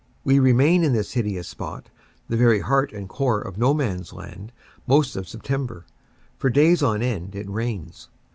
We remain in this hideous spot, the very heart and core of No Man s Land, most of September. For days on end it rains.